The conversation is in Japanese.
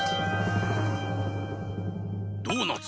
ドーナツ。